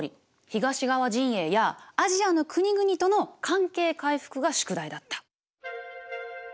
東側陣営やアジアの国々との関係回復が宿題だった。